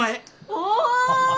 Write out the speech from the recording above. お！